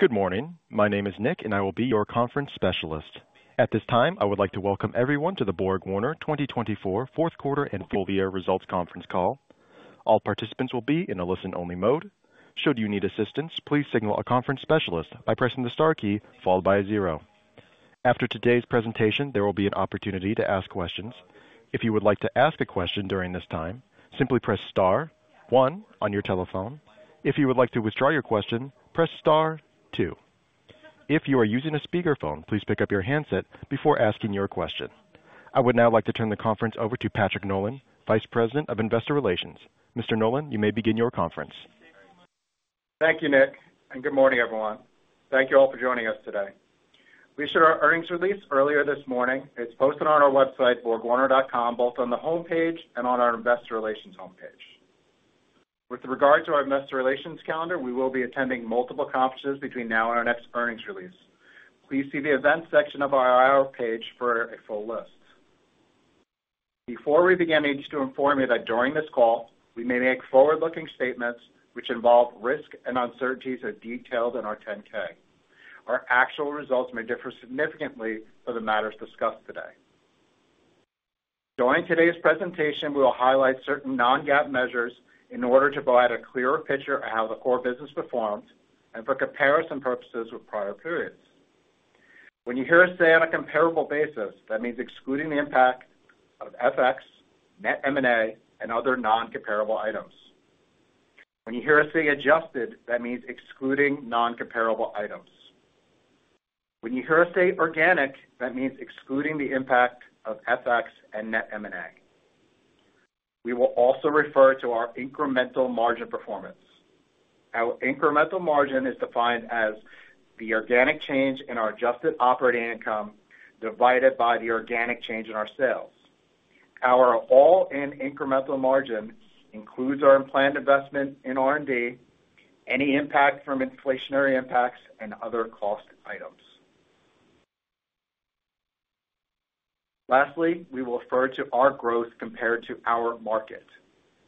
Good morning. My name is Nick, and I will be your conference specialist. At this time, I would like to welcome everyone to the BorgWarner 2024 Fourth Quarter and Full Year Results conference call. All participants will be in a listen-only mode. Should you need assistance, please signal a conference specialist by pressing the star key followed by a zero. After today's presentation, there will be an opportunity to ask questions. If you would like to ask a question during this time, simply press star one on your telephone. If you would like to withdraw your question, press star two. If you are using a speakerphone, please pick up your handset before asking your question. I would now like to turn the conference over to Patrick Nolan, Vice President of Investor Relations. Mr. Nolan, you may begin your conference. Thank you, Nick, and good morning, everyone. Thank you all for joining us today. We shared our earnings release earlier this morning. It's posted on our website, borgwarner.com, both on the home page and on our Investor Relations home page. With regard to our Investor Relations calendar, we will be attending multiple conferences between now and our next earnings release. Please see the events section of our IR page for a full list. Before we begin, I need to inform you that during this call, we may make forward-looking statements which involve risk and uncertainties as detailed in our 10-K. Our actual results may differ significantly from the matters discussed today. During today's presentation, we will highlight certain non-GAAP measures in order to provide a clearer picture of how the core business performs and for comparison purposes with prior periods. When you hear us say on a comparable basis, that means excluding the impact of FX, net M&A, and other non-comparable items. When you hear us say adjusted, that means excluding non-comparable items. When you hear us say organic, that means excluding the impact of FX and net M&A. We will also refer to our incremental margin performance. Our incremental margin is defined as the organic change in our adjusted operating income divided by the organic change in our sales. Our all-in incremental margin includes our implied investment in R&D, any impact from inflationary impacts, and other cost items. Lastly, we will refer to our growth compared to our market.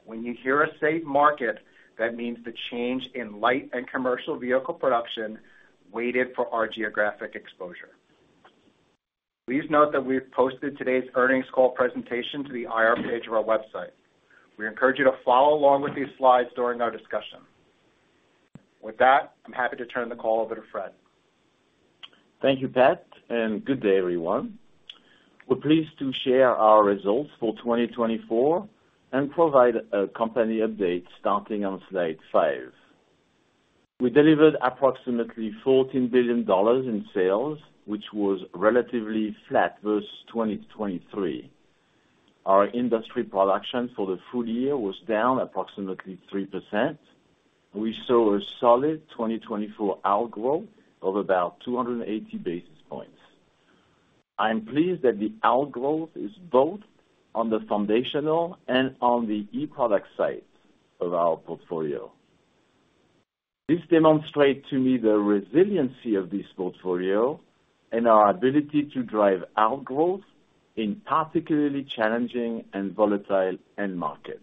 When you hear us say market, that means the change in light and commercial vehicle production weighted for our geographic exposure. Please note that we've posted today's earnings call presentation to the IR page of our website. We encourage you to follow along with these slides during our discussion. With that, I'm happy to turn the call over to Fred. Thank you, Pat, and good day, everyone. We're pleased to share our results for 2024 and provide a company update starting on slide five. We delivered approximately $14 billion in sales, which was relatively flat versus 2023. Our industry production for the full year was down approximately 3%. We saw a solid 2024 outgrowth of about 280 basis points. I'm pleased that the outgrowth is both on the foundational and on the eProduct side of our portfolio. This demonstrates to me the resiliency of this portfolio and our ability to drive outgrowth in particularly challenging and volatile end markets.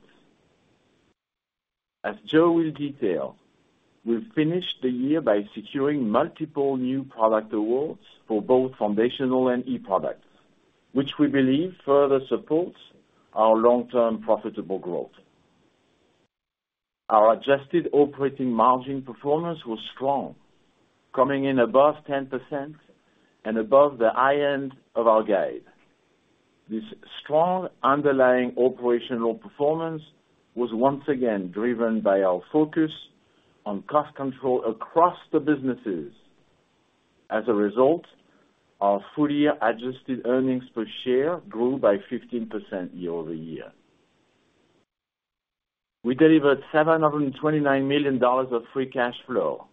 As Joe will detail, we finished the year by securing multiple new product awards for both foundational and eProducts, which we believe further supports our long-term profitable growth. Our adjusted operating margin performance was strong, coming in above 10% and above the high end of our guide. This strong underlying operational performance was once again driven by our focus on cost control across the businesses. As a result, our full-year adjusted earnings per share grew by 15% year-over-year. We delivered $729 million of free cash flow,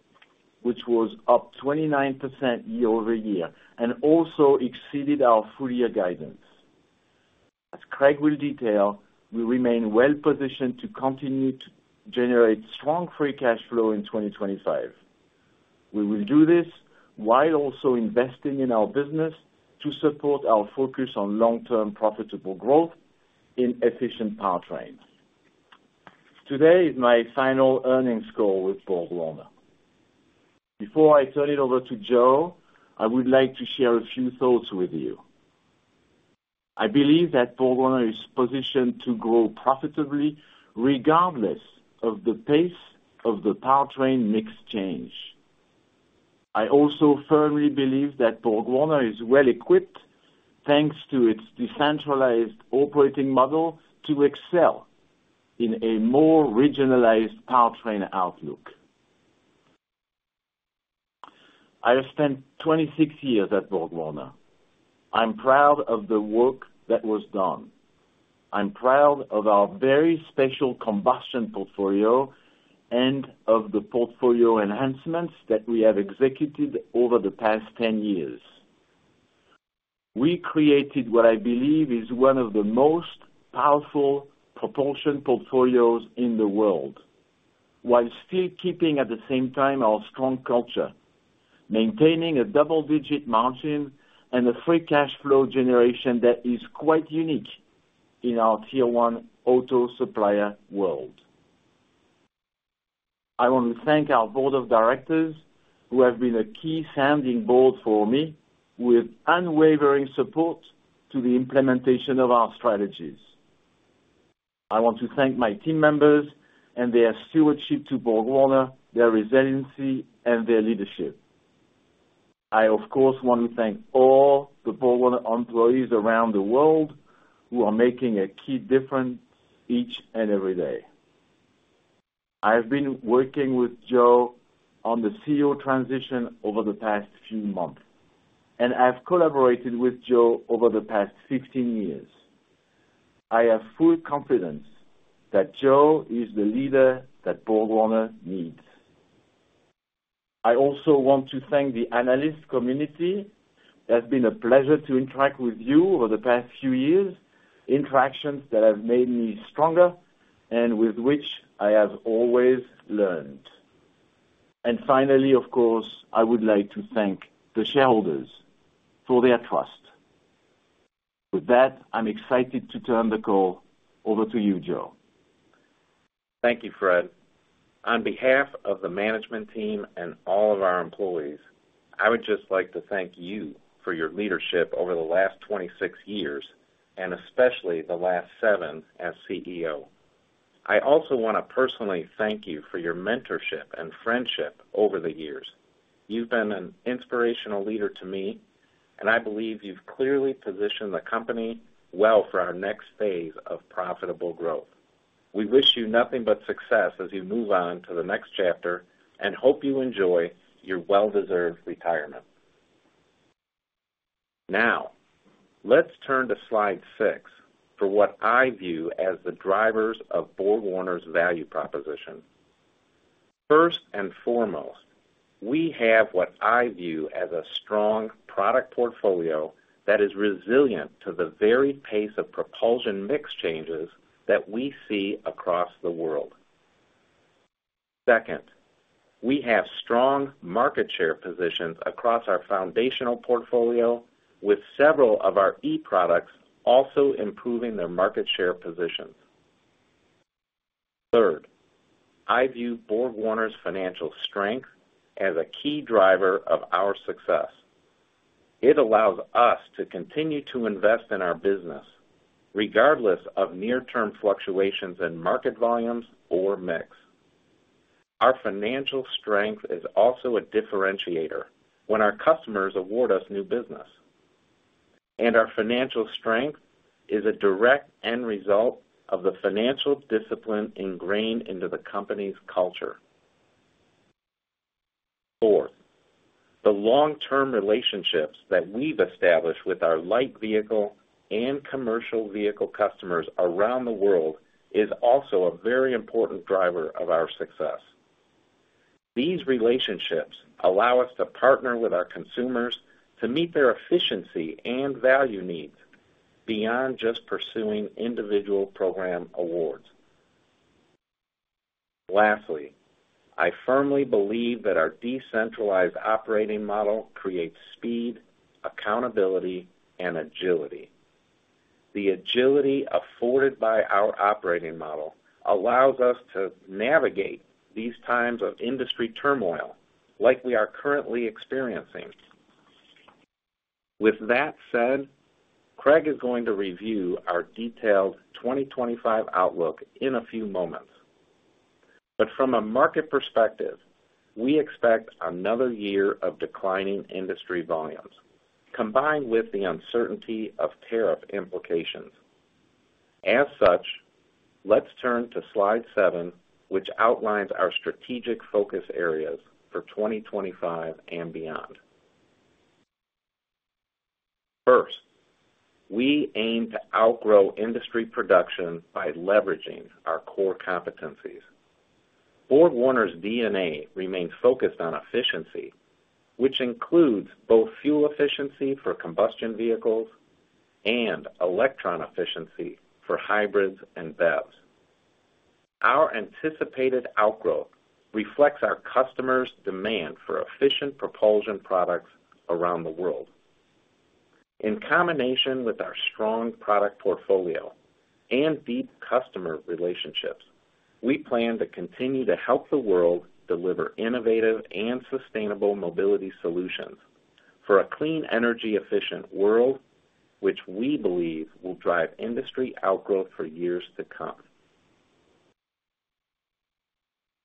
which was up 29% year-over-year and also exceeded our full-year guidance. As Craig will detail, we remain well-positioned to continue to generate strong free cash flow in 2025. We will do this while also investing in our business to support our focus on long-term profitable growth in efficient powertrains. Today is my final earnings call with BorgWarner. Before I turn it over to Joe, I would like to share a few thoughts with you. I believe that BorgWarner is positioned to grow profitably regardless of the pace of the powertrain mix change. I also firmly believe that BorgWarner is well-equipped, thanks to its decentralized operating model, to excel in a more regionalized powertrain outlook. I have spent 26 years at BorgWarner. I'm proud of the work that was done. I'm proud of our very special combustion portfolio and of the portfolio enhancements that we have executed over the past 10 years. We created what I believe is one of the most powerful propulsion portfolios in the world, while still keeping at the same time our strong culture, maintaining a double-digit margin and a free cash flow generation that is quite unique in our Tier 1 auto supplier world. I want to thank our board of directors, who have been a key sounding board for me, with unwavering support to the implementation of our strategies. I want to thank my team members and their stewardship to BorgWarner, their resiliency, and their leadership. I, of course, want to thank all the BorgWarner employees around the world who are making a key difference each and every day. I have been working with Joe on the CEO transition over the past few months, and I've collaborated with Joe over the past 15 years. I have full confidence that Joe is the leader that BorgWarner needs. I also want to thank the analyst community. It has been a pleasure to interact with you over the past few years, interactions that have made me stronger and with which I have always learned. And finally, of course, I would like to thank the shareholders for their trust. With that, I'm excited to turn the call over to you, Joe. Thank you, Fred. On behalf of the management team and all of our employees, I would just like to thank you for your leadership over the last 26 years, and especially the last seven as CEO. I also want to personally thank you for your mentorship and friendship over the years. You've been an inspirational leader to me, and I believe you've clearly positioned the company well for our next phase of profitable growth. We wish you nothing but success as you move on to the next chapter and hope you enjoy your well-deserved retirement. Now, let's turn to slide six for what I view as the drivers of BorgWarner's value proposition. First and foremost, we have what I view as a strong product portfolio that is resilient to the varied pace of propulsion mix changes that we see across the world. Second, we have strong market share positions across our foundational portfolio, with several of our eProducts also improving their market share positions. Third, I view BorgWarner's financial strength as a key driver of our success. It allows us to continue to invest in our business regardless of near-term fluctuations in market volumes or mix. Our financial strength is also a differentiator when our customers award us new business. And our financial strength is a direct end result of the financial discipline ingrained into the company's culture. Fourth, the long-term relationships that we've established with our light vehicle and commercial vehicle customers around the world is also a very important driver of our success. These relationships allow us to partner with our consumers to meet their efficiency and value needs beyond just pursuing individual program awards. Lastly, I firmly believe that our decentralized operating model creates speed, accountability, and agility. The agility afforded by our operating model allows us to navigate these times of industry turmoil like we are currently experiencing. With that said, Craig is going to review our detailed 2025 outlook in a few moments. But from a market perspective, we expect another year of declining industry volumes combined with the uncertainty of tariff implications. As such, let's turn to slide seven, which outlines our strategic focus areas for 2025 and beyond. First, we aim to outgrow industry production by leveraging our core competencies. BorgWarner's DNA remains focused on efficiency, which includes both fuel efficiency for combustion vehicles and electron efficiency for hybrids and BEVs. Our anticipated outgrowth reflects our customers' demand for efficient propulsion products around the world. In combination with our strong product portfolio and deep customer relationships, we plan to continue to help the world deliver innovative and sustainable mobility solutions for a clean, energy-efficient world, which we believe will drive industry outgrowth for years to come.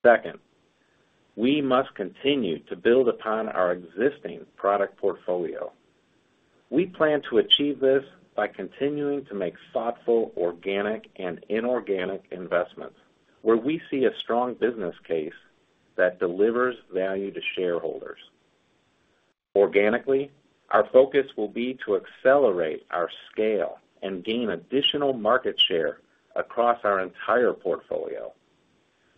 Second, we must continue to build upon our existing product portfolio. We plan to achieve this by continuing to make thoughtful organic and inorganic investments where we see a strong business case that delivers value to shareholders. Organically, our focus will be to accelerate our scale and gain additional market share across our entire portfolio,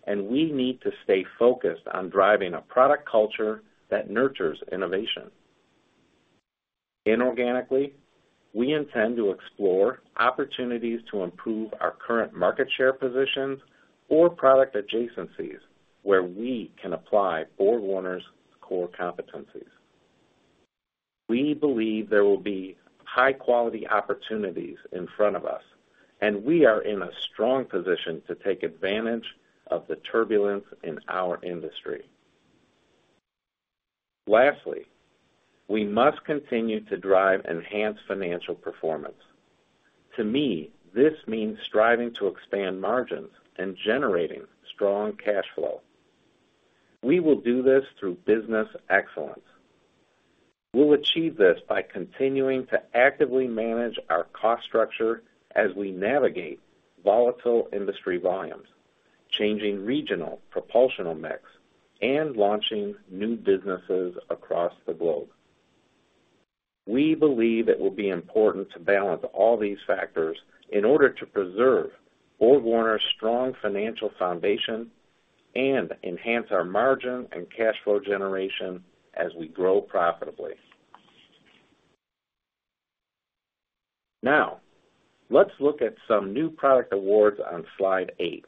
and we need to stay focused on driving a product culture that nurtures innovation. Inorganically, we intend to explore opportunities to improve our current market share positions or product adjacencies where we can apply BorgWarner's core competencies. We believe there will be high-quality opportunities in front of us, and we are in a strong position to take advantage of the turbulence in our industry. Lastly, we must continue to drive enhanced financial performance. To me, this means striving to expand margins and generating strong cash flow. We will do this through business excellence. We'll achieve this by continuing to actively manage our cost structure as we navigate volatile industry volumes, changing regional propulsion mix, and launching new businesses across the globe. We believe it will be important to balance all these factors in order to preserve BorgWarner's strong financial foundation and enhance our margin and cash flow generation as we grow profitably. Now, let's look at some new product awards on slide eight,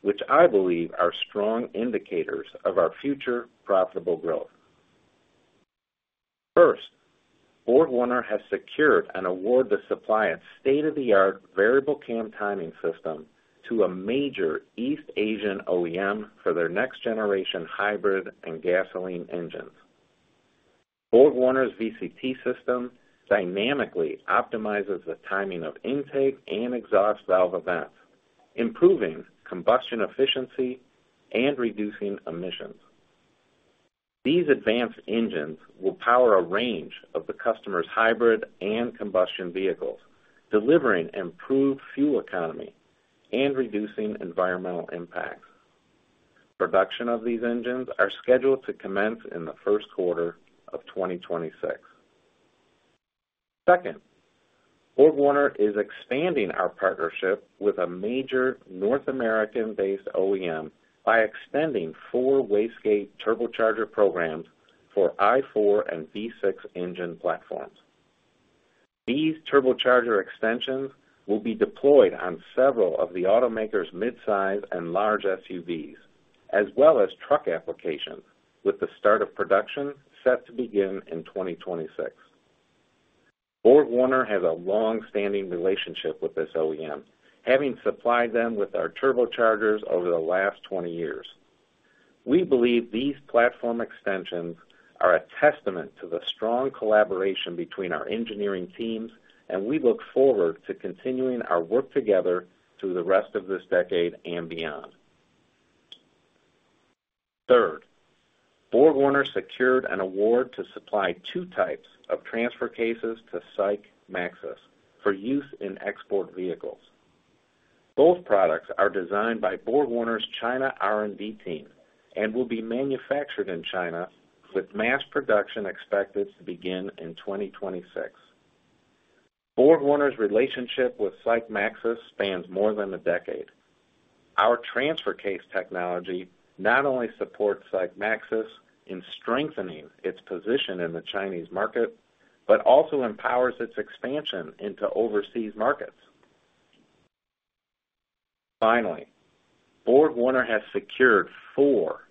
which I believe are strong indicators of our future profitable growth. First, BorgWarner has secured and awarded the supply of state-of-the-art variable cam timing system to a major East Asian OEM for their next-generation hybrid and gasoline engines. BorgWarner's VCT system dynamically optimizes the timing of intake and exhaust valve events, improving combustion efficiency and reducing emissions. These advanced engines will power a range of the customer's hybrid and combustion vehicles, delivering improved fuel economy and reducing environmental impacts. Production of these engines is scheduled to commence in the first quarter of 2026. Second, BorgWarner is expanding our partnership with a major North American-based OEM by extending four wastegate turbocharger programs for I4 and V6 engine platforms. These turbocharger extensions will be deployed on several of the automaker's midsize and large SUVs, as well as truck applications, with the start of production set to begin in 2026. BorgWarner has a long-standing relationship with this OEM, having supplied them with our turbochargers over the last 20 years. We believe these platform extensions are a testament to the strong collaboration between our engineering teams, and we look forward to continuing our work together through the rest of this decade and beyond. Third, BorgWarner secured an award to supply two types of transfer cases to SAIC Maxus for use in export vehicles. Both products are designed by BorgWarner's China R&D team and will be manufactured in China, with mass production expected to begin in 2026. BorgWarner's relationship with SAIC Maxus spans more than a decade. Our transfer case technology not only supports SAIC Maxus in strengthening its position in the Chinese market, but also empowers its expansion into overseas markets. Finally, BorgWarner has secured four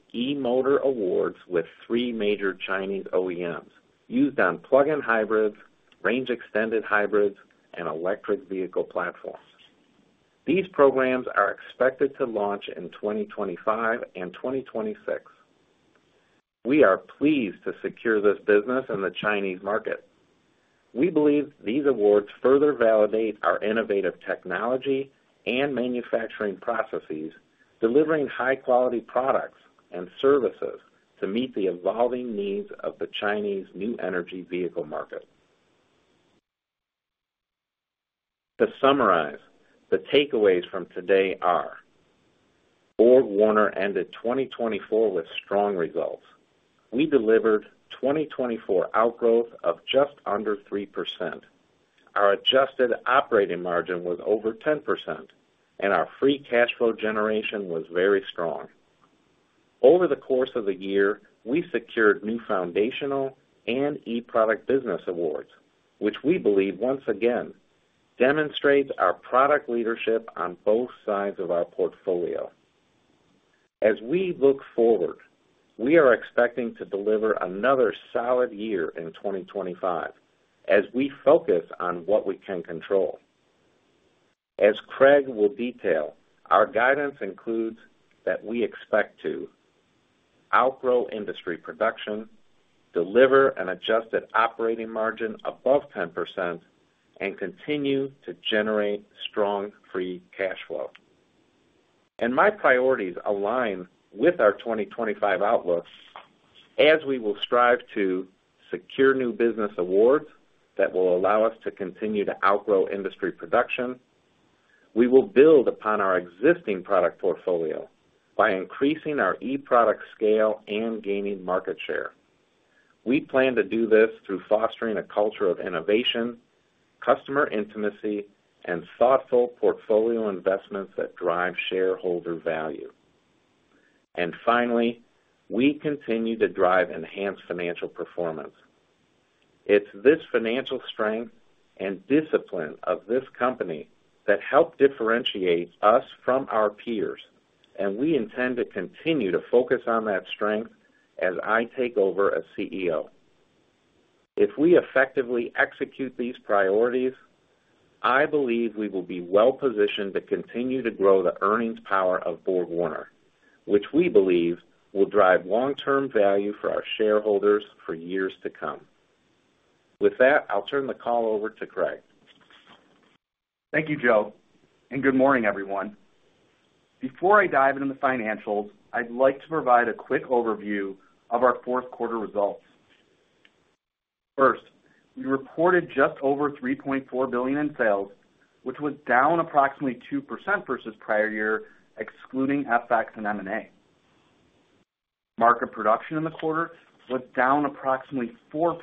awards with three major Chinese OEMs used on plug-in hybrids, range-extended hybrids, and electric vehicle platforms. These programs are expected to launch in 2025 and 2026. We are pleased to secure this business in the Chinese market. We believe these awards further validate our innovative technology and manufacturing processes, delivering high-quality products and services to meet the evolving needs of the Chinese new energy vehicle market. To summarize, the takeaways from today are: BorgWarner ended 2024 with strong results. We delivered 2024 outgrowth of just under 3%. Our adjusted operating margin was over 10%, and our free cash flow generation was very strong. Over the course of the year, we secured new foundational and eProduct business awards, which we believe once again demonstrates our product leadership on both sides of our portfolio. As we look forward, we are expecting to deliver another solid year in 2025 as we focus on what we can control. As Craig will detail, our guidance includes that we expect to outgrow industry production, deliver an adjusted operating margin above 10%, and continue to generate strong free cash flow, and my priorities align with our 2025 outlook as we will strive to secure new business awards that will allow us to continue to outgrow industry production. We will build upon our existing product portfolio by increasing our eProduct scale and gaining market share. We plan to do this through fostering a culture of innovation, customer intimacy, and thoughtful portfolio investments that drive shareholder value, and finally, we continue to drive enhanced financial performance. It's this financial strength and discipline of this company that help differentiate us from our peers, and we intend to continue to focus on that strength as I take over as CEO. If we effectively execute these priorities, I believe we will be well-positioned to continue to grow the earnings power of BorgWarner, which we believe will drive long-term value for our shareholders for years to come. With that, I'll turn the call over to Craig. Thank you, Joe. And good morning, everyone. Before I dive into the financials, I'd like to provide a quick overview of our fourth quarter results. First, we reported just over $3.4 billion in sales, which was down approximately 2% versus prior year, excluding FX and M&A. Market production in the quarter was down approximately 4%.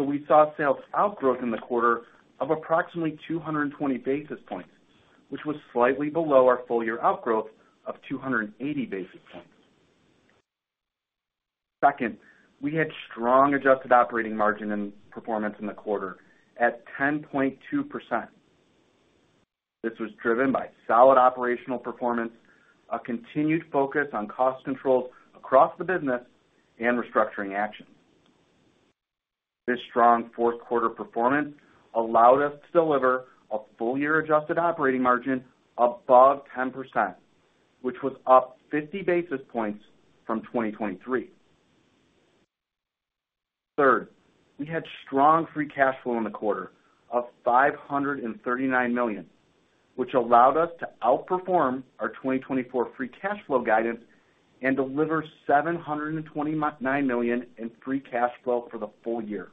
So we saw sales outgrowth in the quarter of approximately 220 basis points, which was slightly below our full-year outgrowth of 280 basis points. Second, we had strong adjusted operating margin and performance in the quarter at 10.2%. This was driven by solid operational performance, a continued focus on cost controls across the business, and restructuring actions. This strong fourth quarter performance allowed us to deliver a full-year adjusted operating margin above 10%, which was up 50 basis points from 2023. Third, we had strong free cash flow in the quarter of $539 million, which allowed us to outperform our 2024 free cash flow guidance and deliver $729 million in free cash flow for the full year.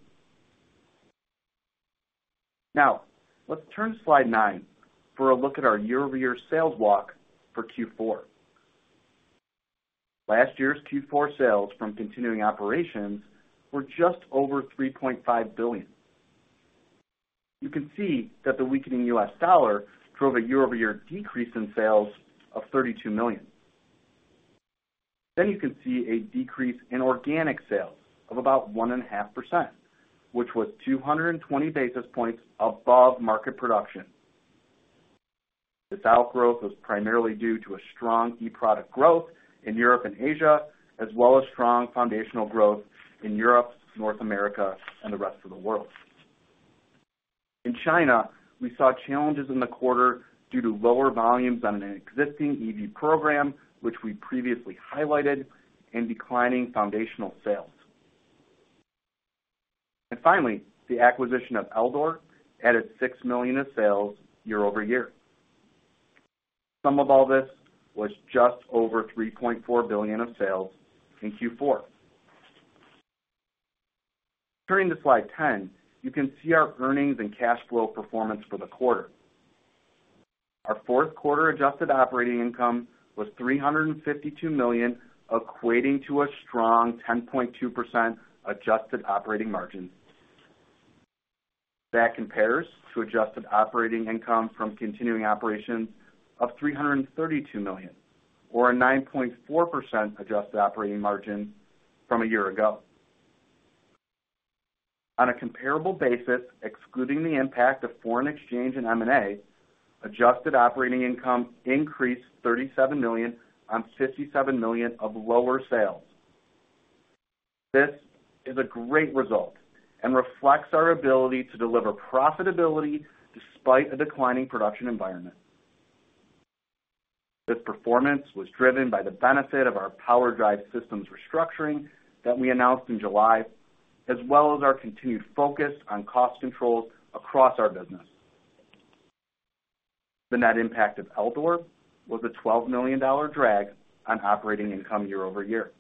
Now, let's turn to slide nine for a look at our year-over-year sales walk for Q4. Last year's Q4 sales from continuing operations were just over $3.5 billion. You can see that the weakening U.S. dollar drove a year-over-year decrease in sales of $32 million. Then you can see a decrease in organic sales of about 1.5%, which was 220 basis points above market production. This outgrowth was primarily due to a strong eProduct growth in Europe and Asia, as well as strong foundational growth in Europe, North America, and the rest of the world. In China, we saw challenges in the quarter due to lower volumes on an existing EV program, which we previously highlighted, and declining foundational sales. Finally, the acquisition of Eldor added $6 million in sales year-over-year. Sum of all this was just over $3.4 billion in sales in Q4. Turning to slide 10, you can see our earnings and cash flow performance for the quarter. Our fourth quarter adjusted operating income was $352 million, equating to a strong 10.2% adjusted operating margin. That compares to adjusted operating income from continuing operations of $332 million, or a 9.4% adjusted operating margin from a year ago. On a comparable basis, excluding the impact of foreign exchange and M&A, adjusted operating income increased $37 million on $57 million of lower sales. This is a great result and reflects our ability to deliver profitability despite a declining production environment. This performance was driven by the benefit of our PowerDrive Systems restructuring that we announced in July, as well as our continued focus on cost controls across our business. The net impact of Eldor was a $12 million drag on operating income year-over-year.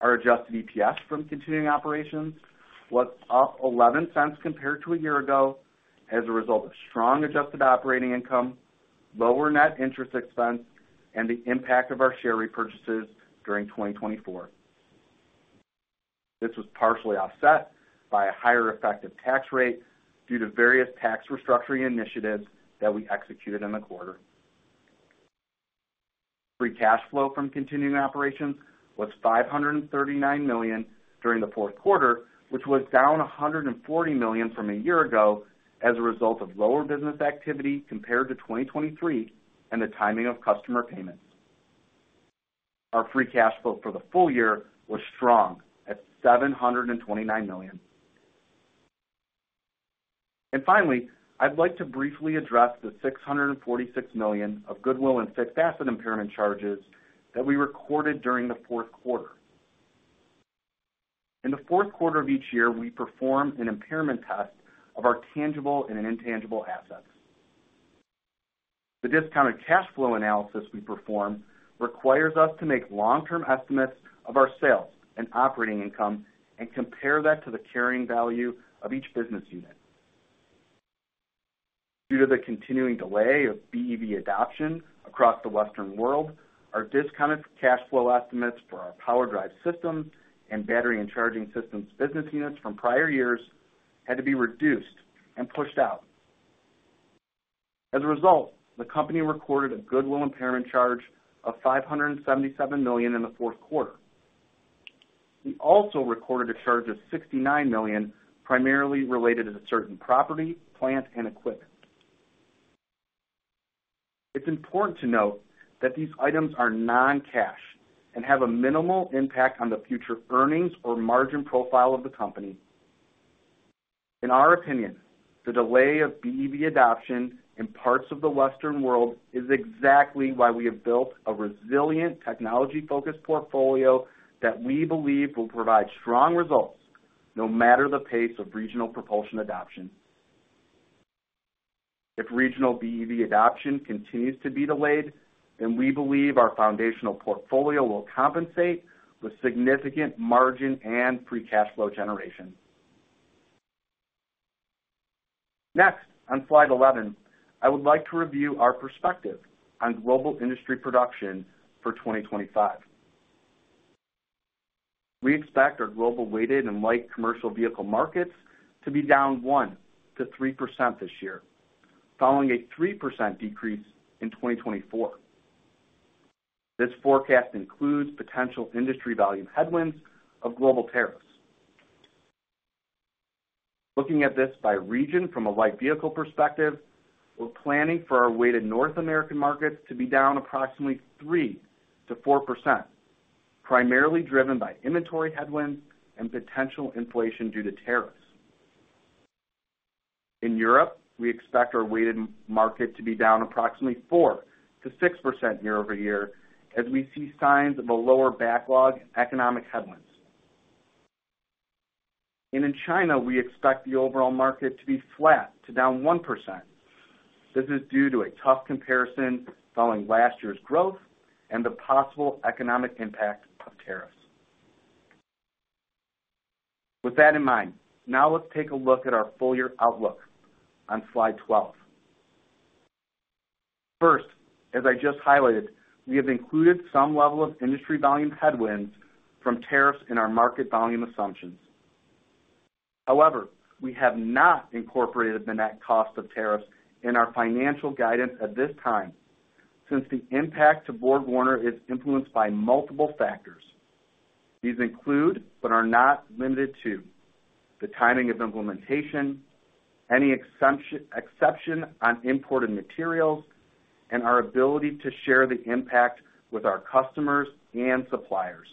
Our adjusted EPS from continuing operations was up $0.11 compared to a year ago as a result of strong adjusted operating income, lower net interest expense, and the impact of our share repurchases during 2024. This was partially offset by a higher effective tax rate due to various tax restructuring initiatives that we executed in the quarter. Free cash flow from continuing operations was $539 million during the fourth quarter, which was down $140 million from a year ago as a result of lower business activity compared to 2023 and the timing of customer payments. Our free cash flow for the full year was strong at $729 million. And finally, I'd like to briefly address the $646 million of goodwill and fixed asset impairment charges that we recorded during the fourth quarter. In the fourth quarter of each year, we perform an impairment test of our tangible and intangible assets. The discounted cash flow analysis we perform requires us to make long-term estimates of our sales and operating income and compare that to the carrying value of each business unit. Due to the continuing delay of BEV adoption across the Western world, our discounted cash flow estimates for our PowerDrive Systems and Battery and Charging Systems business units from prior years had to be reduced and pushed out. As a result, the company recorded a Goodwill impairment charge of $577 million in the fourth quarter. We also recorded a charge of $69 million, primarily related to certain property, plant, and equipment. It's important to note that these items are non-cash and have a minimal impact on the future earnings or margin profile of the company. In our opinion, the delay of BEV adoption in parts of the Western world is exactly why we have built a resilient technology-focused portfolio that we believe will provide strong results no matter the pace of regional propulsion adoption. If regional BEV adoption continues to be delayed, then we believe our foundational portfolio will compensate with significant margin and free cash flow generation. Next, on slide 11, I would like to review our perspective on global industry production for 2025. We expect our global weighted and light commercial vehicle markets to be down 1%-3% this year, following a 3% decrease in 2024. This forecast includes potential industry value headwinds of global tariffs. Looking at this by region from a light vehicle perspective, we're planning for our weighted North American markets to be down approximately 3%-4%, primarily driven by inventory headwinds and potential inflation due to tariffs. In Europe, we expect our weighted market to be down approximately 4%-6% year-over-year as we see signs of a lower backlog and economic headwinds. In China, we expect the overall market to be flat to down 1%. This is due to a tough comparison following last year's growth and the possible economic impact of tariffs. With that in mind, now let's take a look at our full-year outlook on slide 12. First, as I just highlighted, we have included some level of industry volume headwinds from tariffs in our market volume assumptions. However, we have not incorporated the net cost of tariffs in our financial guidance at this time since the impact to BorgWarner is influenced by multiple factors. These include, but are not limited to, the timing of implementation, any exception on imported materials, and our ability to share the impact with our customers and suppliers.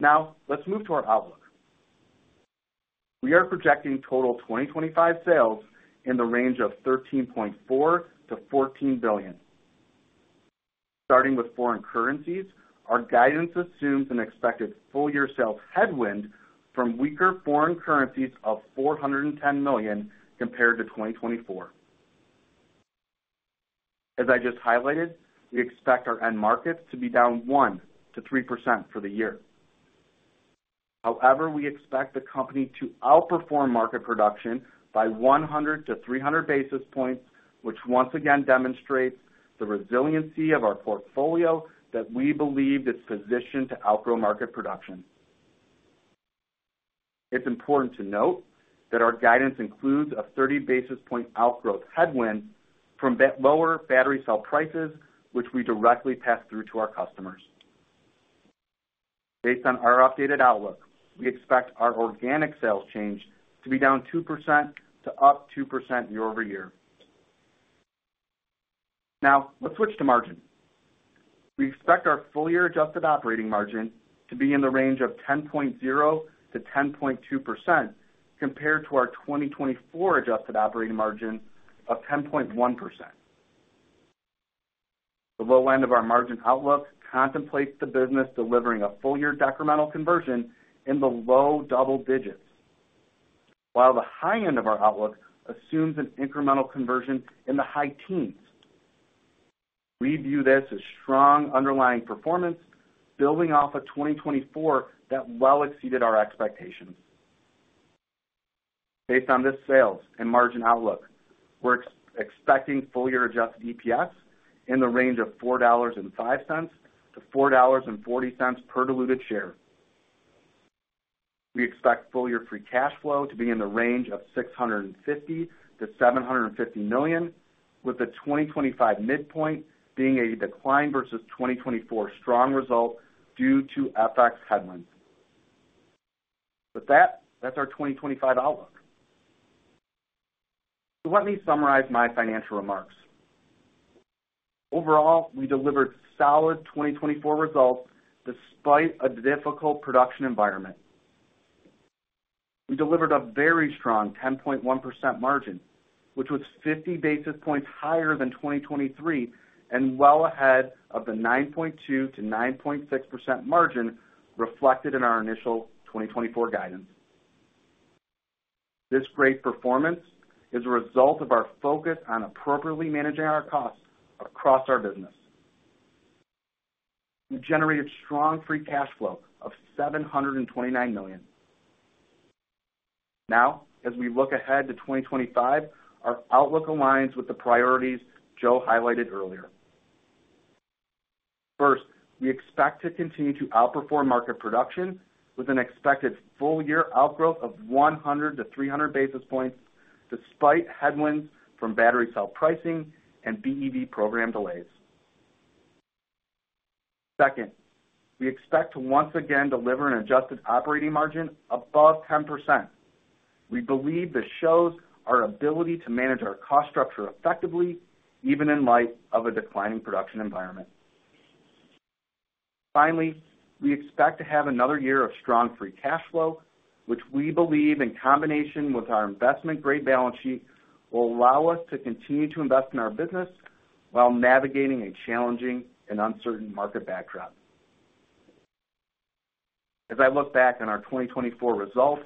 Now, let's move to our outlook. We are projecting total 2025 sales in the range of $13.4 billion-$14 billion. Starting with foreign currencies, our guidance assumes an expected full-year sales headwind from weaker foreign currencies of $410 million compared to 2024. As I just highlighted, we expect our end markets to be down 1%-3% for the year. However, we expect the company to outperform market production by 100 to 300 basis points, which once again demonstrates the resiliency of our portfolio that we believe is positioned to outgrow market production. It's important to note that our guidance includes a 30 basis point outgrowth headwind from lower battery cell prices, which we directly pass through to our customers. Based on our updated outlook, we expect our organic sales change to be down 2% to up 2% year-over-year. Now, let's switch to margin. We expect our full-year adjusted operating margin to be in the range of 10.0%-10.2% compared to our 2024 adjusted operating margin of 10.1%. The low end of our margin outlook contemplates the business delivering a full-year decremental conversion in the low double digits, while the high end of our outlook assumes an incremental conversion in the high teens. We view this as strong underlying performance, building off of 2024 that well exceeded our expectations. Based on this sales and margin outlook, we're expecting full-year adjusted EPS in the range of $4.05-$4.40 per diluted share. We expect full-year free cash flow to be in the range of $650 million-$750 million, with the 2025 midpoint being a decline versus 2024 strong result due to FX headwinds. With that, that's our 2025 outlook. Let me summarize my financial remarks. Overall, we delivered solid 2024 results despite a difficult production environment. We delivered a very strong 10.1% margin, which was 50 basis points higher than 2023 and well ahead of the 9.2%-9.6% margin reflected in our initial 2024 guidance. This great performance is a result of our focus on appropriately managing our costs across our business. We generated strong free cash flow of $729 million. Now, as we look ahead to 2025, our outlook aligns with the priorities Joe highlighted earlier. First, we expect to continue to outperform market production, with an expected full-year outgrowth of 100-300 basis points despite headwinds from battery cell pricing and BEV program delays. Second, we expect to once again deliver an adjusted operating margin above 10%. We believe this shows our ability to manage our cost structure effectively, even in light of a declining production environment. Finally, we expect to have another year of strong free cash flow, which we believe in combination with our investment-grade balance sheet will allow us to continue to invest in our business while navigating a challenging and uncertain market backdrop. As I look back on our 2024 results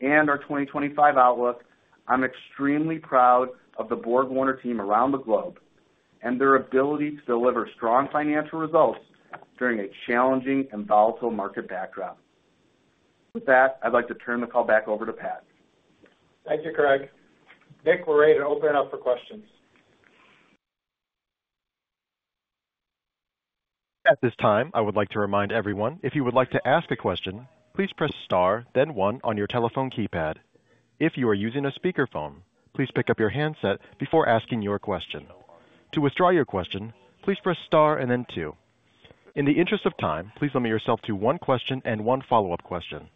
and our 2025 outlook, I'm extremely proud of the BorgWarner team around the globe and their ability to deliver strong financial results during a challenging and volatile market backdrop. With that, I'd like to turn the call back over to Pat. Thank you, Craig. Nick, we're ready to open it up for questions. At this time, I would like to remind everyone, if you would like to ask a question, please press star, then one, on your telephone keypad. If you are using a speakerphone, please pick up your handset before asking your question. To withdraw your question, please press star and then two. In the interest of time, please limit yourself to one question and one follow-up question.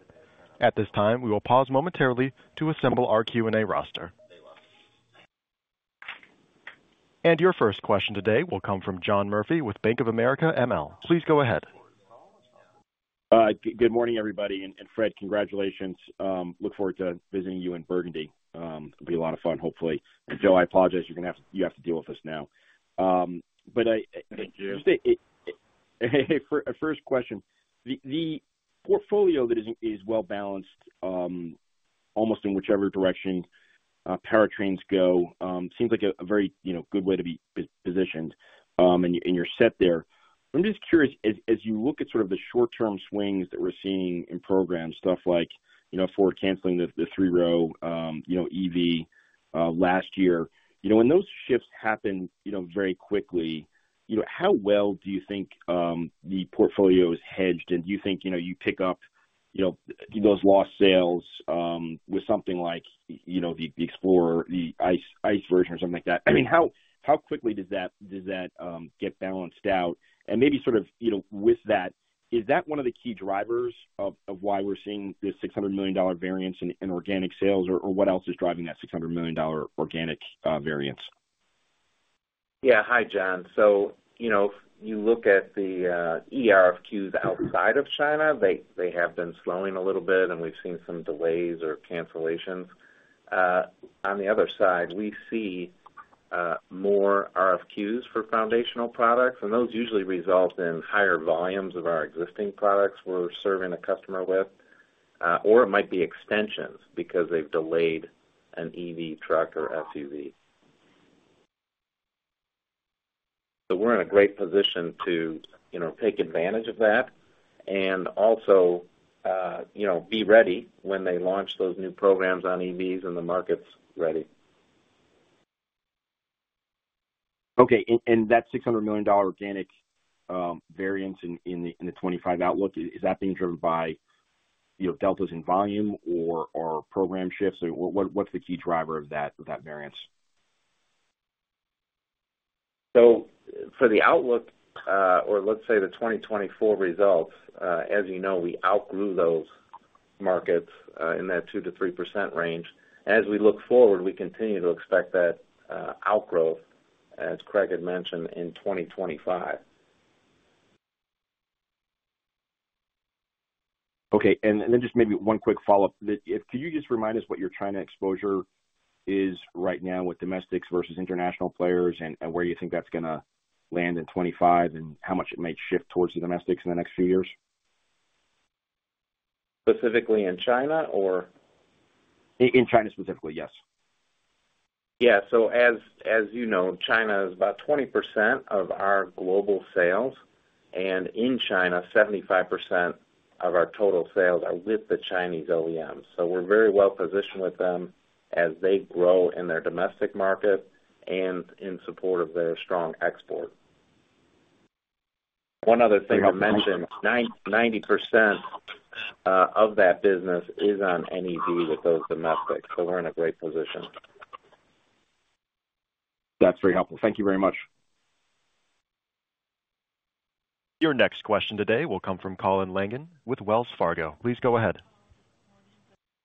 At this time, we will pause momentarily to assemble our Q&A roster, and your first question today will come from John Murphy with Bank of America ML. Please go ahead. Good morning, everybody. And Fred, congratulations. Look forward to visiting you in Burgundy. It'll be a lot of fun, hopefully. And Joe, I apologize. You have to deal with us now, but just a first question. The portfolio that is well-balanced, almost in whichever direction powertrains go, seems like a very good way to be positioned, and you're set there. I'm just curious, as you look at sort of the short-term swings that we're seeing in programs, stuff like Ford canceling the three-row EV last year, when those shifts happen very quickly, how well do you think the portfolio is hedged? And do you think you pick up those lost sales with something like the, the ICE version, or something like that? I mean, how quickly does that get balanced out? And maybe sort of with that, is that one of the key drivers of why we're seeing this $600 million variance in organic sales, or what else is driving that $600 million organic variance? Yeah. Hi, John. So if you look at the RFQs outside of China, they have been slowing a little bit, and we've seen some delays or cancellations. On the other side, we see more RFQs for foundational products, and those usually result in higher volumes of our existing products we're serving a customer with, or it might be extensions because they've delayed an EV truck or SUV. So we're in a great position to take advantage of that and also be ready when they launch those new programs on EVs and the market's ready. Okay. And that $600 million organic variance in the 2025 outlook, is that being driven by deltas in volume or program shifts? What's the key driver of that variance? So for the outlook, or let's say the 2024 results, as you know, we outgrew those markets in that 2%-3% range. As we look forward, we continue to expect that outgrowth, as Craig had mentioned, in 2025. Okay. And then just maybe one quick follow-up. Could you just remind us what your China exposure is right now with domestics versus international players and where you think that's going to land in 2025 and how much it might shift towards the domestics in the next few years? Specifically in China, or? In China specifically, yes. Yeah. So as you know, China is about 20% of our global sales, and in China, 75% of our total sales are with the Chinese OEMs. So we're very well positioned with them as they grow in their domestic market and in support of their strong export. One other thing to mention, 90% of that business is on NEV with those domestics, so we're in a great position. That's very helpful. Thank you very much. Your next question today will come from Colin Langan with Wells Fargo. Please go ahead.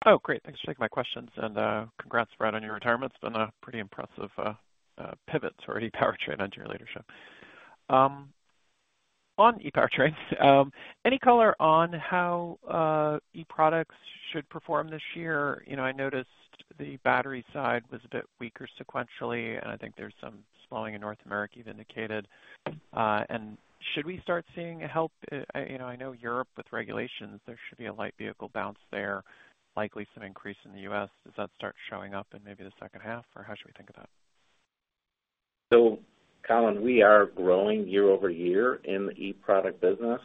Oh, great. Thanks for taking my questions. Congrats, Fred, on your retirement. It's been a pretty impressive pivot to already pre-trained onto your leadership. On ePowertrains, any color on how eProducts should perform this year? I noticed the battery side was a bit weaker sequentially, and I think there's some slowing in North America you've indicated. Should we start seeing a help? I know Europe with regulations. There should be a light vehicle bounce there, likely some increase in the U.S. Does that start showing up in maybe the second half, or how should we think of that? Colin, we are growing year-over-year in the eProduct business.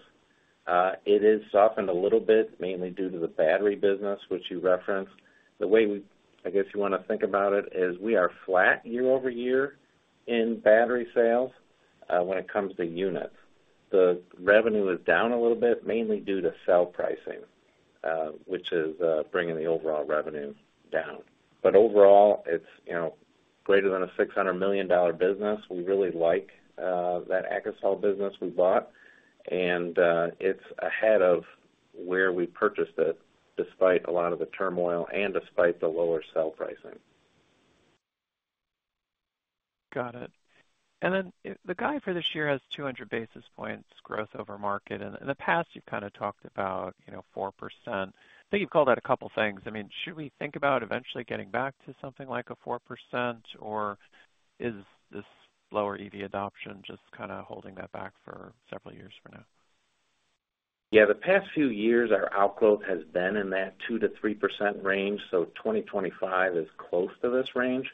It has softened a little bit, mainly due to the battery business, which you referenced. The way I guess you want to think about it is we are flat year-over-year in battery sales when it comes to units. The revenue is down a little bit, mainly due to steel pricing, which is bringing the overall revenue down. But overall, it's greater than a $600 million business. We really like that Akasol business we bought, and it's ahead of where we purchased it despite a lot of the turmoil and despite the lower steel pricing. Got it. And then the guide for this year has 200 basis points growth over market. In the past, you've kind of talked about 4%. I think you've called out a couple of things. I mean, should we think about eventually getting back to something like a 4%, or is this lower EV adoption just kind of holding that back for several years from now? Yeah. The past few years, our outgrowth has been in that 2%-3% range, so 2025 is close to this range.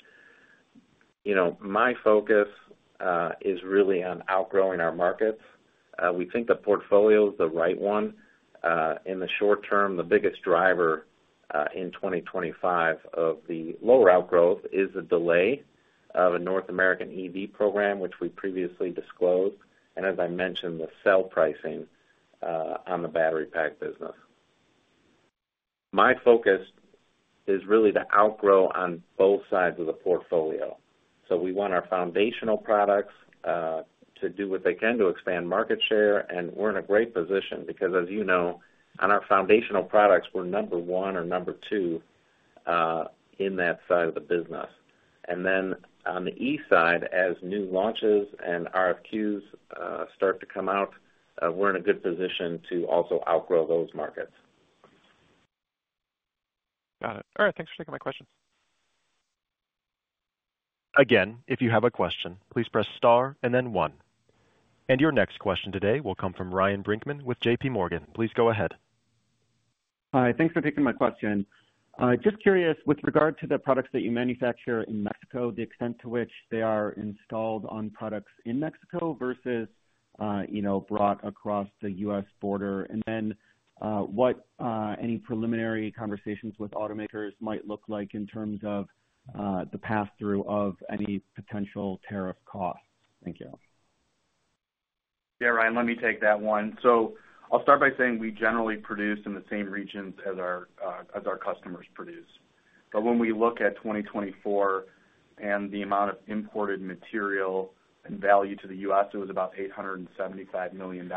My focus is really on outgrowing our markets. We think the portfolio is the right one. In the short term, the biggest driver in 2025 of the lower outgrowth is the delay of a North American EV program, which we previously disclosed, and as I mentioned, the sell pricing on the battery pack business. My focus is really to outgrow on both sides of the portfolio. So we want our foundational products to do what they can to expand market share, and we're in a great position because, as you know, on our foundational products, we're number one or number two in that side of the business. And then on the E side, as new launches and RFQs start to come out, we're in a good position to also outgrow those markets. Got it. All right. Thanks for taking my questions. Again, if you have a question, please press star and then one. And your next question today will come from Ryan Brinkman with JPMorgan. Please go ahead. Hi. Thanks for taking my question. Just curious, with regard to the products that you manufacture in Mexico, the extent to which they are installed on products in Mexico versus brought across the U.S. border, and then what any preliminary conversations with automakers might look like in terms of the pass-through of any potential tariff costs. Thank you. Yeah, Ryan, let me take that one. So I'll start by saying we generally produce in the same regions as our customers produce. But when we look at 2024 and the amount of imported material and value to the U.S., it was about $875 million.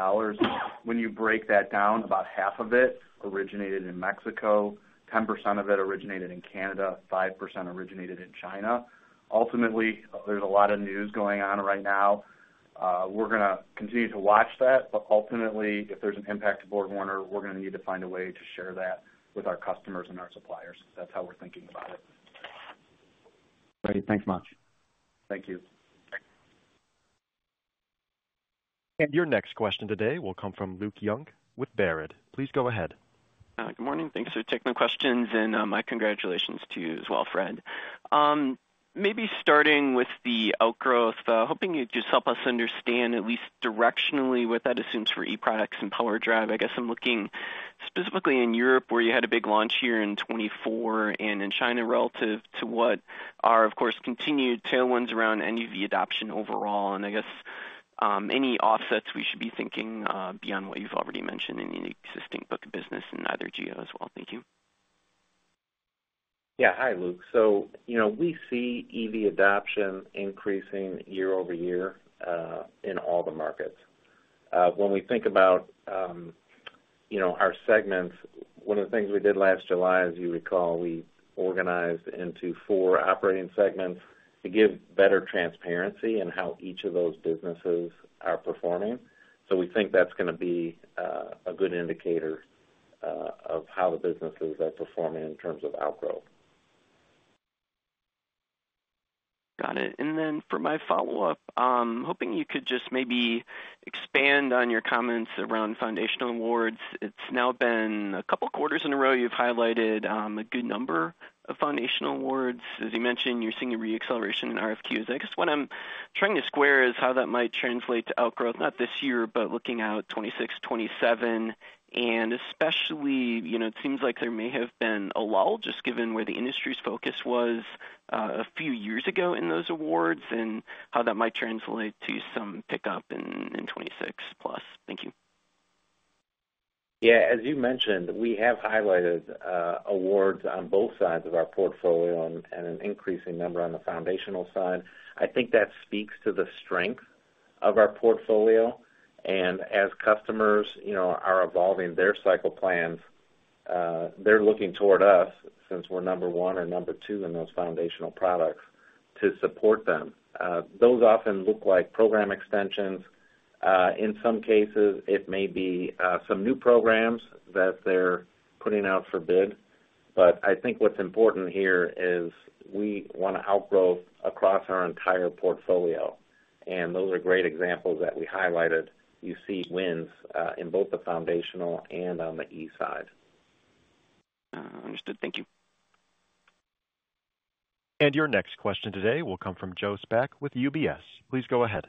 When you break that down, about half of it originated in Mexico, 10% of it originated in Canada, 5% originated in China. Ultimately, there's a lot of news going on right now. We're going to continue to watch that, but ultimately, if there's an impact to BorgWarner, we're going to need to find a way to share that with our customers and our suppliers. That's how we're thinking about it. Great. Thanks much. Thank you. And your next question today will come from Luke Junk with Baird. Please go ahead. Good morning. Thanks for taking my questions, and my congratulations to you as well, Fred. Maybe starting with the outgrowth, hoping you'd just help us understand at least directionally what that assumes for eProducts and PowerDrive. I guess I'm looking specifically in Europe where you had a big launch here in 2024 and in China relative to what are, of course, continued tailwinds around NEV adoption overall, and I guess any offsets we should be thinking beyond what you've already mentioned in the existing book of business and either geo as well. Thank you. Yeah. Hi, Luke. So we see EV adoption increasing year-over-year in all the markets. When we think about our segments, one of the things we did last July, as you recall, we organized into four operating segments to give better transparency in how each of those businesses are performing. So we think that's going to be a good indicator of how the businesses are performing in terms of outgrowth. Got it. And then for my follow-up, hoping you could just maybe expand on your comments around foundational awards. It's now been a couple of quarters in a row you've highlighted a good number of foundational awards. As you mentioned, you're seeing a reacceleration in RFQs. I guess what I'm trying to square is how that might translate to outgrowth, not this year, but looking out 2026, 2027, and especially it seems like there may have been a lull just given where the industry's focus was a few years ago in those awards and how that might translate to some pickup in 2026 plus. Thank you. Yeah. As you mentioned, we have highlighted awards on both sides of our portfolio and an increasing number on the foundational side. I think that speaks to the strength of our portfolio, and as customers are evolving their cycle plans, they're looking toward us since we're number one or number two in those foundational products to support them. Those often look like program extensions. In some cases, it may be some new programs that they're putting out for bid. But I think what's important here is we want to outgrow across our entire portfolio. Those are great examples that we highlighted. You see wins in both the foundational and on the E side. Understood. Thank you. Your next question today will come from Joseph Spak with UBS. Please go ahead.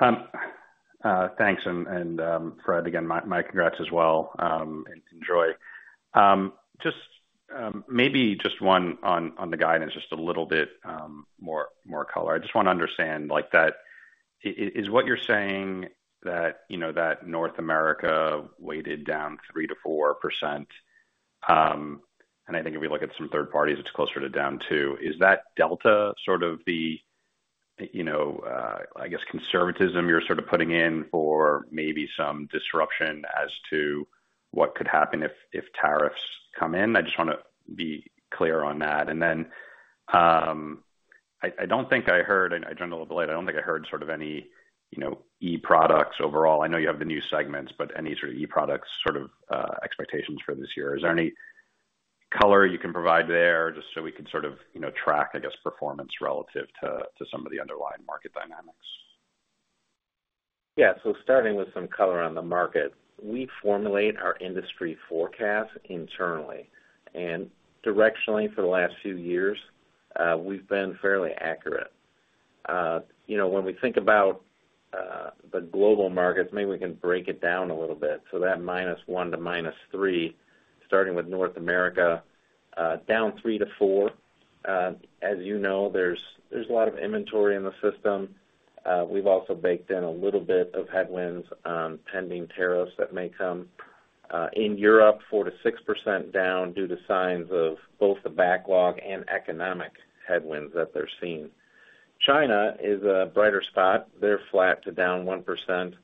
Thanks. And Fred, again, my congrats as well. And enjoy. Just maybe just one on the guidance, just a little bit more color. I just want to understand that is what you're saying that North America weighed down 3%-4%? And I think if we look at some third parties, it's closer to down 2%. Is that delta sort of the, I guess, conservatism you're sort of putting in for maybe some disruption as to what could happen if tariffs come in? I just want to be clear on that. And then I don't think I heard. I jumped a little bit late. I don't think I heard sort of any eProducts overall. I know you have the new segments, but any sort of eProducts sort of expectations for this year? Is there any color you can provide there just so we can sort of track, I guess, performance relative to some of the underlying market dynamics? Yeah. So starting with some color on the markets, we formulate our industry forecast internally. And directionally, for the last few years, we've been fairly accurate. When we think about the global markets, maybe we can break it down a little bit. That -1% to -3%, starting with North America, down 3%-4%. As you know, there's a lot of inventory in the system. We've also baked in a little bit of headwinds pending tariffs that may come. In Europe, 4%-6% down due to signs of both the backlog and economic headwinds that they're seeing. China is a brighter spot. They're flat to down 1%.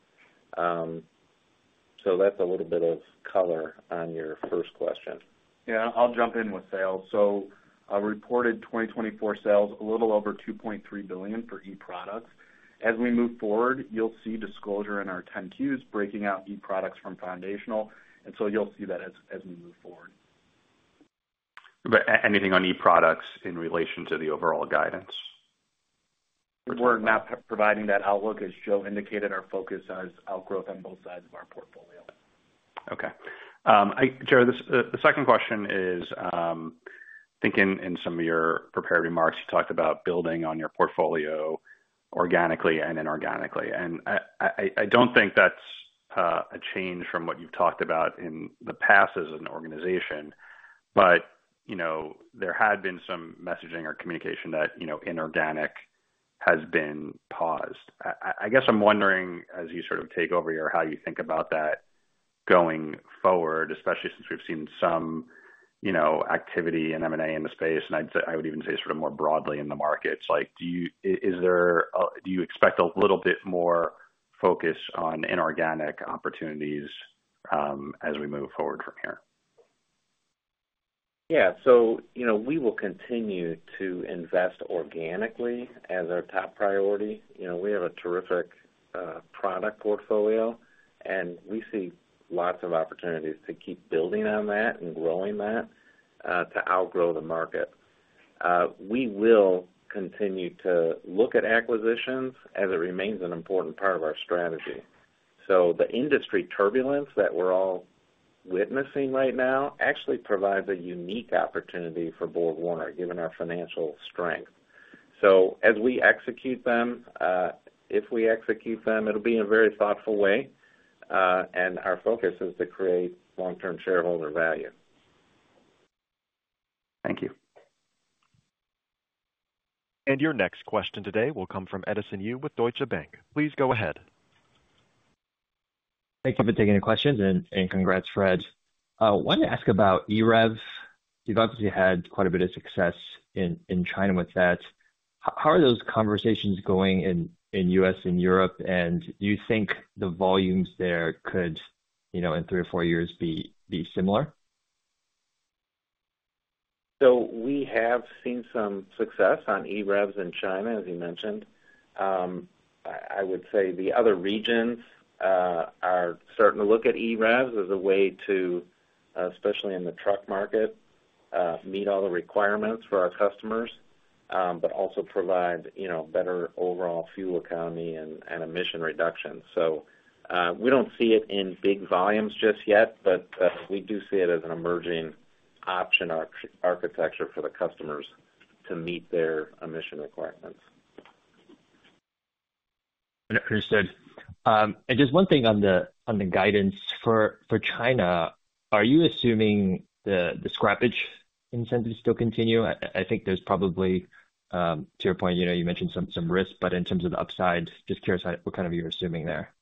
That's a little bit of color on your first question. Yeah. I'll jump in with sales. Reported 2024 sales, a little over $2.3 billion for eProducts. As we move forward, you'll see disclosure in our 10-Qs breaking out eProducts from foundational. And so you'll see that as we move forward. But anything on eProducts in relation to the overall guidance? We're not providing that outlook. As Joe indicated, our focus is outgrowth on both sides of our portfolio. Okay. Joe, the second question is, thinking in some of your prepared remarks, you talked about building on your portfolio organically and inorganically. And I don't think that's a change from what you've talked about in the past as an organization, but there had been some messaging or communication that inorganic has been paused. I guess I'm wondering, as you sort of take over here, how you think about that going forward, especially since we've seen some activity in M&A in the space, and I would even say sort of more broadly in the markets. Do you expect a little bit more focus on inorganic opportunities as we move forward from here? Yeah. So we will continue to invest organically as our top priority. We have a terrific product portfolio, and we see lots of opportunities to keep building on that and growing that to outgrow the market. We will continue to look at acquisitions as it remains an important part of our strategy. So the industry turbulence that we're all witnessing right now actually provides a unique opportunity for BorgWarner, given our financial strength. So as we execute them, if we execute them, it'll be in a very thoughtful way. And our focus is to create long-term shareholder value. Thank you. And your next question today will come from Edison Yu with Deutsche Bank. Please go ahead. Thank you for taking the question, and congrats, Fred. I wanted to ask about EREV. You've obviously had quite a bit of success in China with that. How are those conversations going in the U.S. and Europe? And do you think the volumes there could, in three or four years, be similar? So we have seen some success on EREVs in China, as you mentioned. I would say the other regions are starting to look at EREVs as a way to, especially in the truck market, meet all the requirements for our customers, but also provide better overall fuel economy and emission reduction. So we don't see it in big volumes just yet, but we do see it as an emerging option architecture for the customers to meet their emission requirements. Understood. And just one thing on the guidance for China, are you assuming the scrappage incentives still continue? I think there's probably, to your point, you mentioned some risk, but in terms of the upside, just curious what kind of you're assuming there.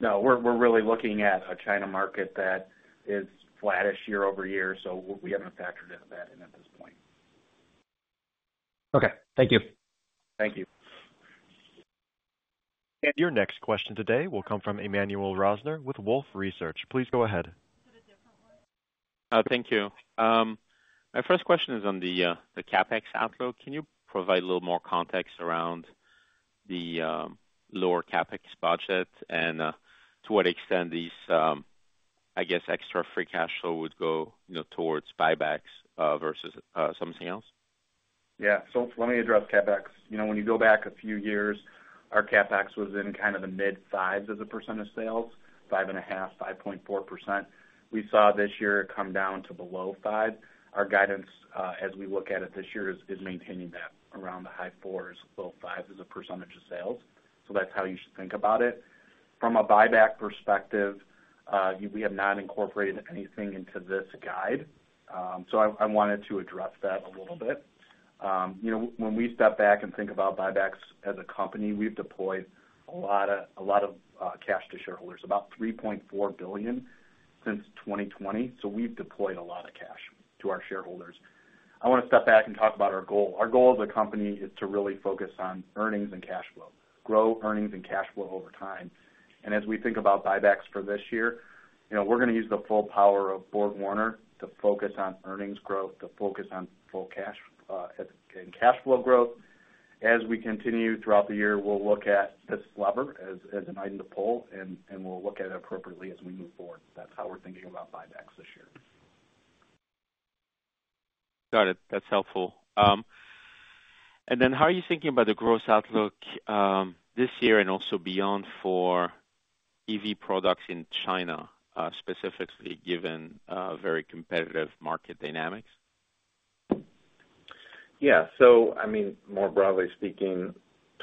No. We're really looking at a China market that is flattish year-over-year, so we haven't factored into that at this point. Okay. Thank you. Thank you. And your next question today will come from Emmanuel Rosner with Wolfe Research. Please go ahead. Thank you. My first question is on the CapEx outlook. Can you provide a little more context around the lower CapEx budget and to what extent these, I guess, extra free cash flow would go towards buybacks versus something else? Yeah. So let me address CapEx. When you go back a few years, our CapEx was in kind of the mid-5s as a % of sales, 5.5, 5.4%. We saw this year it come down to below 5%. Our guidance, as we look at it this year, is maintaining that around the high 4s, low 5s as a % of sales. So that's how you should think about it. From a buyback perspective, we have not incorporated anything into this guide. So I wanted to address that a little bit. When we step back and think about buybacks as a company, we've deployed a lot of cash to shareholders, about $3.4 billion since 2020. So we've deployed a lot of cash to our shareholders. I want to step back and talk about our goal. Our goal as a company is to really focus on earnings and cash flow, grow earnings and cash flow over time, and as we think about buybacks for this year, we're going to use the full power of BorgWarner to focus on earnings growth, to focus on full cash and cash flow growth. As we continue throughout the year, we'll look at this lever as an item to pull, and we'll look at it appropriately as we move forward. That's how we're thinking about buybacks this year. Got it. That's helpful. And then how are you thinking about the growth outlook this year and also beyond for EV products in China, specifically given very competitive market dynamics? Yeah. So I mean, more broadly speaking,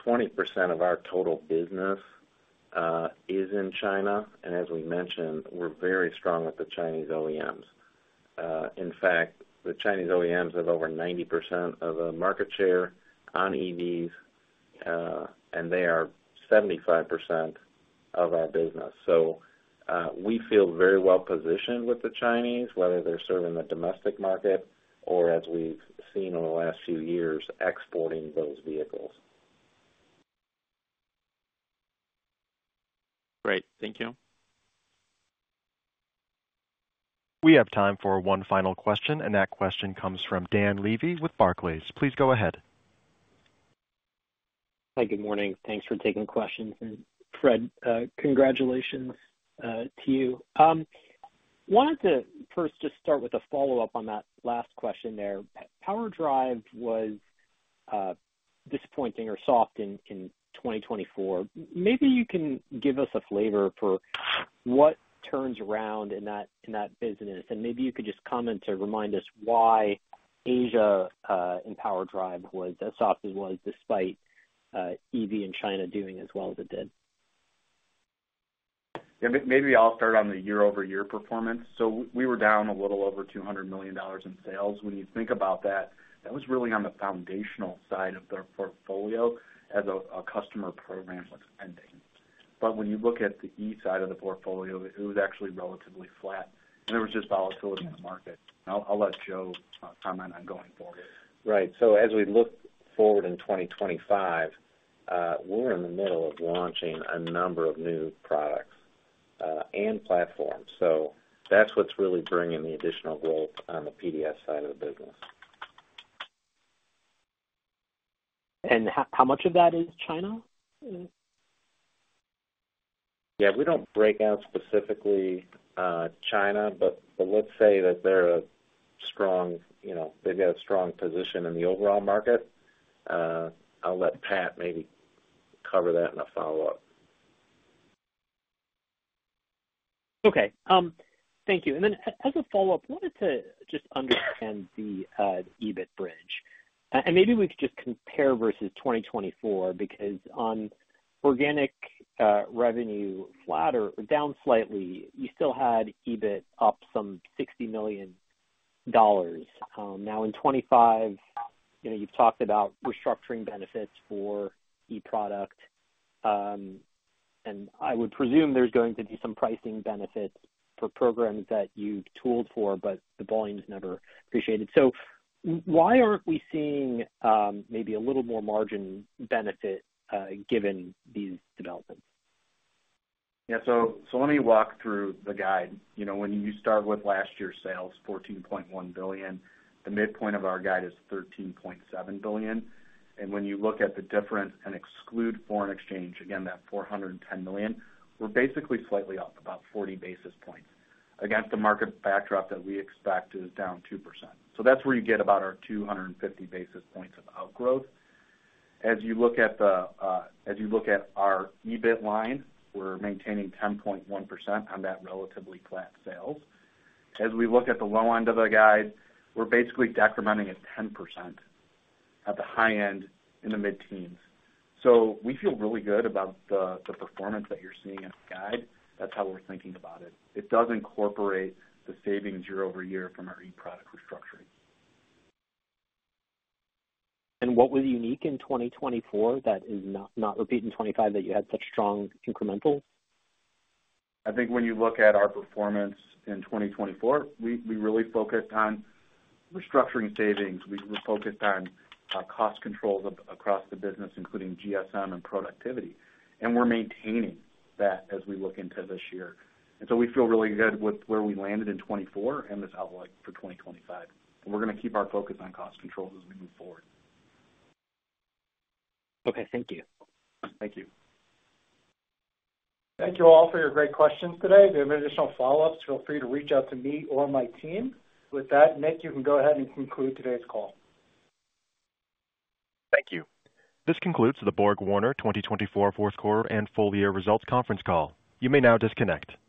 20% of our total business is in China. And as we mentioned, we're very strong with the Chinese OEMs. In fact, the Chinese OEMs have over 90% of the market share on EVs, and they are 75% of our business. So we feel very well positioned with the Chinese, whether they're serving the domestic market or, as we've seen in the last few years exporting those vehicles. Great. Thank you. We have time for one final question, and that question comes from Dan Levy with Barclays. Please go ahead. Hi. Good morning. Thanks for taking the question. And Fred, congratulations to you. I wanted to first just start with a follow-up on that last question there. PowerDrive was disappointing or soft in 2024. Maybe you can give us a flavor for what turns around in that business. And maybe you could just comment to remind us why Asia and PowerDrive was as soft as it was despite EV in China doing as well as it did. Yeah. Maybe I'll start on the year-over-year performance. So we were down a little over $200 million in sales. When you think about that, that was really on the foundational side of their portfolio as a customer program was pending. But when you look at the E side of the portfolio, it was actually relatively flat. And there was just volatility in the market. I'll let Joe comment on going forward. Right, so as we look forward in 2025, we're in the middle of launching a number of new products and platforms. So that's what's really bringing the additional growth on the PDS side of the business. And how much of that is China? Yeah. We don't break out specifically China, but let's say that they have a strong position in the overall market. I'll let Pat maybe cover that in a follow-up. Okay. Thank you. And then as a follow-up, I wanted to just understand the EBIT bridge. And maybe we could just compare versus 2024 because on organic revenue flat or down slightly, you still had EBIT up some $60 million. Now in 2025, you've talked about restructuring benefits for eProducts. And I would presume there's going to be some pricing benefits for programs that you've tooled for, but the volume's never appreciated. So why aren't we seeing maybe a little more margin benefit given these developments? Yeah. So let me walk through the guide. When you start with last year's sales, $14.1 billion, the midpoint of our guide is $13.7 billion, and when you look at the difference and exclude foreign exchange, again, that $410 million, we're basically slightly up about 40 basis points against the market backdrop that we expect is down 2%. That's where you get about our 250 basis points of outgrowth. As you look at our EBIT line, we're maintaining 10.1% on that relatively flat sales. As we look at the low end of the guide, we're basically decrementing at 10% at the high end in the mid-teens. We feel really good about the performance that you're seeing in the guide. That's how we're thinking about it. It does incorporate the savings year-over-year from our eProduct restructuring. What was unique in 2024 that is not repeated in 2025 that you had such strong incremental? I think when you look at our performance in 2024, we really focused on restructuring savings. We were focused on cost controls across the business, including GSM and productivity. And we're maintaining that as we look into this year. And so we feel really good with where we landed in 2024 and this outlook for 2025. And we're going to keep our focus on cost controls as we move forward. Okay. Thank you. Thank you. Thank you all for your great questions today. If you have additional follow-ups, feel free to reach out to me or my team. With that, Nick, you can go ahead and conclude today's call. Thank you. This concludes the BorgWarner 2024 Fourth Quarter and Full Year Results conference call. You may now disconnect.